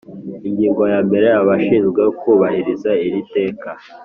Ingingo ya mbere Abashinzwe kubahiriza iri teka